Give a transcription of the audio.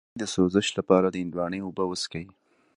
د مثانې د سوزش لپاره د هندواڼې اوبه وڅښئ